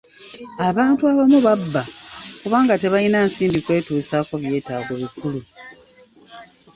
Abantu abamu babba kubanga tebayina nsimbi kwetusaako byetaago bikulu.